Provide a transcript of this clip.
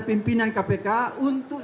pimpinan kpk untuk